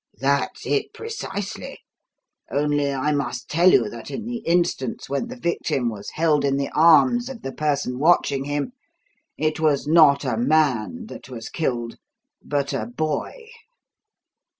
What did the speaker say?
"That's it, precisely. Only I must tell you that, in the instance when the victim was held in the arms of the person watching him, it was not a man that was killed, but a boy.